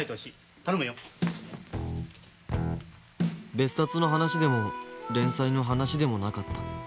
別冊の話でも連載の話でもなかった。